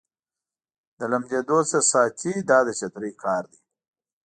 د لمدېدو څخه ساتي دا د چترۍ کار دی.